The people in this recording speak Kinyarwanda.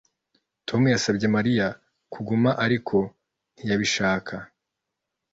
Tom yasabye Mariya kuguma ariko ntiyabishaka